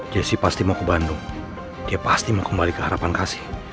jessi pasti mau ke bandung dia pasti mau kembali ke harapan kasih